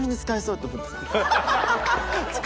ハハハ！